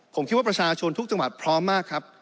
ผมคิดว่าประชาชนทุกจังหวัดพร้อมมากครับ